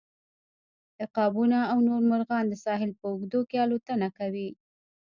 عقابونه او نور مرغان د ساحل په اوږدو کې الوتنه کوي